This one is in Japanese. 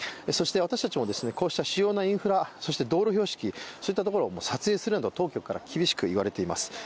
そして私たちもこうした主要なインフラ、道路標識、そういったところを撮影するなと当局から厳しく言われています。